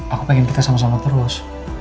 aku pengen kita sama sama terus